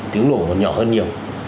tiếng nổ còn nhỏ hơn nhiều